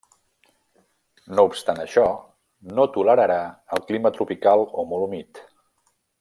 No obstant això, no tolerarà el clima tropical o molt humit.